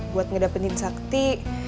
buat ngedapetin sakti